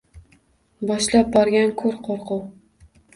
Boshlab borgan ko’r qo’rquv.